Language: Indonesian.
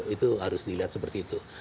itu harus dilihat seperti itu